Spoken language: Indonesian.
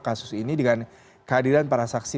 kasus ini dengan kehadiran para saksi